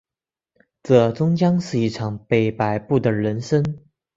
这终究是一场被摆布的人生